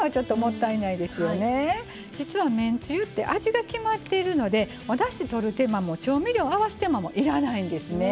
実はめんつゆって味が決まっているのでおだしとる手間も調味料合わす手間もいらないんですね。